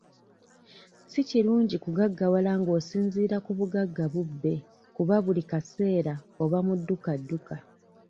Si kirungi kugaggawala nga osinziira ku bugagga bubbe kuba buli kaseera oba mu dduka dduka.